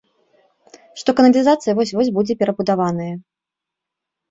Што каналізацыя вось-вось будзе перабудаваная.